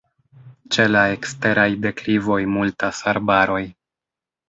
Ĉe la eksteraj deklivoj multas arbaroj.